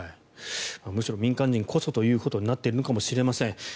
むしろ民間人こそということになっているのかもしれません。